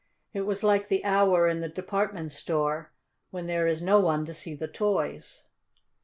It was like the hour in the department store when there is no one to see the toys.